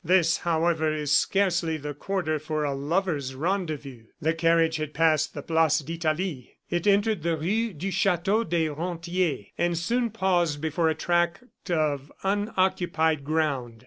"This, however, is scarcely the quarter for a lover's rendezvous." The carriage had passed the Place d'Italie. It entered the Rue du Chateau des Rentiers and soon paused before a tract of unoccupied ground.